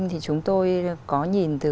thì chúng tôi có nhìn từ